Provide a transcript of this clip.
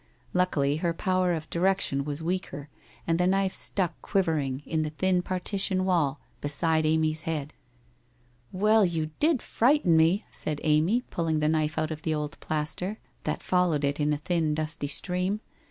Luckily her power of direction was weaker and the knife stuck quivering in the thin partition wall beside Amy's head. 'Well, you did frighten me!' said Amy, pulling the knife out of the old plaster, that followed it in a thin dusty stream.